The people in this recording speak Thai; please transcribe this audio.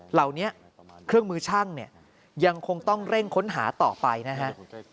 เหล่านี้เครื่องมือช่างเนี่ยยังคงต้องเร่งค้นหาต่อไปนะฮะ